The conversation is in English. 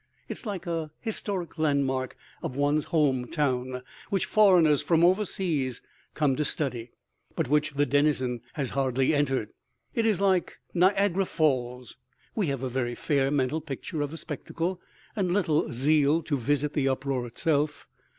It is like the historic landmark of one's home town, which foreigners from overseas come to study, but which the denizen has hardly entered. It is like Niagara Falls: we have a very fair mental picture of the spectacle and little zeal to visit the uproar itself.